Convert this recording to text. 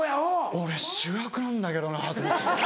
俺主役なんだけどなと思って。